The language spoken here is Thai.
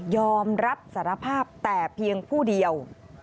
อมรับสารภาพแต่เพียงผู้เดียว